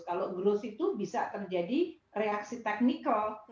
kalau growth itu bisa terjadi reaksi teknikal